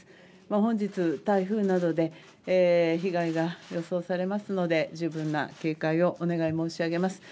本日、台風などで被害が予想されますので十分な警戒をお願い申し上げます。